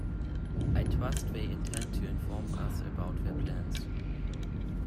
I trust they intend to inform us about their plans.